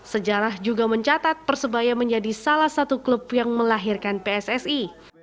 sejarah juga mencatat persebaya menjadi salah satu klub yang melahirkan pssi